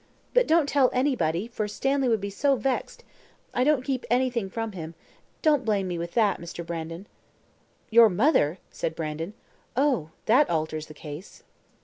But don't tell anybody, for Stanley would be so vexed. I don't keep anything from him; don't blame me with that, Mr. Brandon." "Your mother?" said Brandon. "Oh, that alters the case."